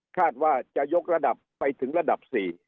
คาดว่าจะยกระดับไปถึงระดับ๔